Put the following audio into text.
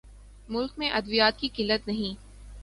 ملک میں ادویات کی قلت نہیں